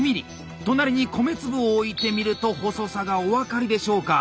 隣に米粒を置いてみると細さがお分かりでしょうか。